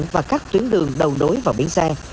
và các tuyến đường đầu đối vào bến xe